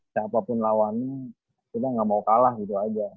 siapapun lawannya kita nggak mau kalah gitu aja